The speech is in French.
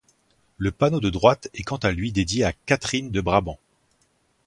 Le panneau de droite est quant à lui dédié à Catherine de Brabant.